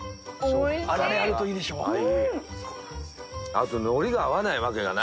あと海苔が合わないわけがないし。